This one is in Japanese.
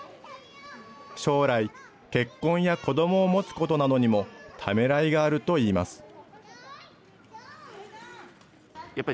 将来、結婚や子どもを持つことなどにもためらいがあるといいます。